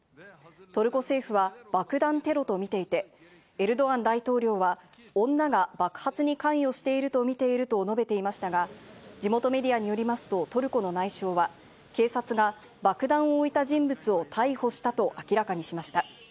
トルコ政府は爆弾テロとみていて、エルドアン大統領は女が爆発に関与しているとみていると述べていましたが、地元メディアによりますと、トルコの内相は警察が爆弾を置いた人物を逮捕したと明らかにしました。